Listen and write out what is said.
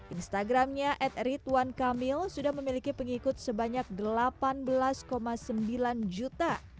instagramnya atritwankamil sudah memiliki pengikut sebanyak delapan belas sembilan juta